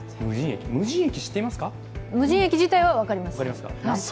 無人駅自体は分かります。